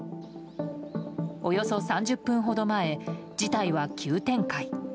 およそ３０分ほど前事態は急展開。